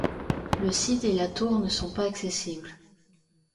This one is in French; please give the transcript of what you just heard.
Le site et la tour ne sont pas accessibles.